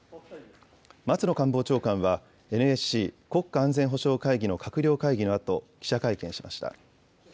松野官房長官はＮＳＣ・国家安全保障会議の閣僚会議のあと記者会